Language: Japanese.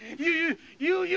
言うよ